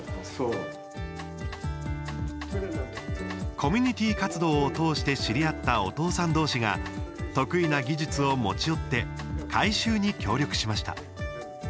コミュニティー活動を通して知り合ったお父さん同士が得意な技術を持ち寄って改修に協力しました。